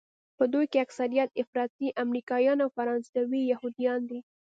په دوی کې اکثریت افراطي امریکایان او فرانسوي یهودیان دي.